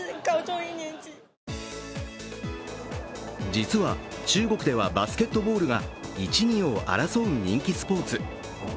実は中国ではバスケットボールが一、二を争う人気スポーツ。